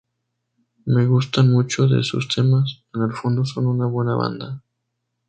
Me gustan muchos de sus temas, en el fondo son una buena banda"..